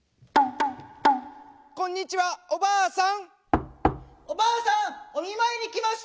こんにちはおばあさん。